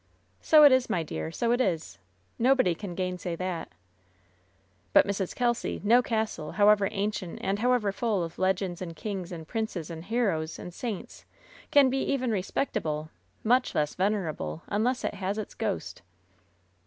'' "So it is, my dear. So it is. Nobody can gamsay that.'' "But, Mrs. Kelsy, no castle, however ancient, and however full of legends of kings and princes and heroes and saints, can be even respectable, much less venerable, unless it has its ghost."